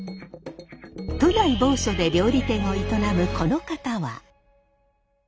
都内某所で料理店を営むこの方は。